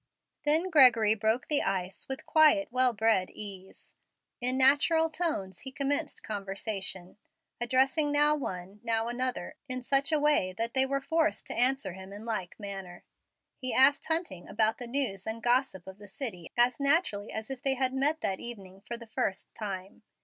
Then Gregory broke the ice with quiet, well bred ease. In natural tones he commenced conversation, addressing now one, now another, in such a way that they were forced to answer him in like manner. He asked Hunting about the news and gossip of the city as naturally as if they had met that evening for the first time.